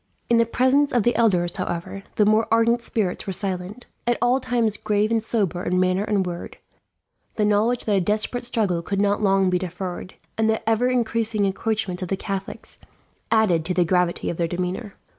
In the presence of the elders, however, the more ardent spirits were silent. At all times grave and sober in manner and word, the knowledge that a desperate struggle could not long be deferred, and the ever increasing encroachments of the Catholics, added to the gravity of their demeanour.